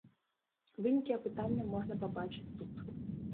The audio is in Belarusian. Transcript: Вынікі апытання можна пабачыць тут.